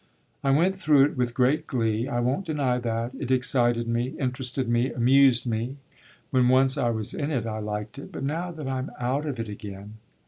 "I went through it with great glee I won't deny that: it excited me, interested me, amused me. When once I was in it I liked it. But now that I'm out of it again